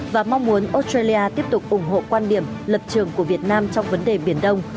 và mong muốn australia tiếp tục ủng hộ quan điểm lập trường của việt nam trong vấn đề biển đông